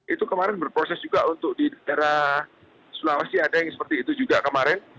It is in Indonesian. itu kemarin berproses juga untuk di daerah sulawesi ada yang seperti itu juga kemarin